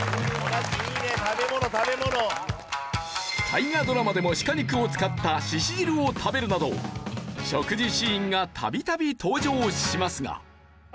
大河ドラマでもシカ肉を使ったしし汁を食べるなど食事シーンが度々登場しますが。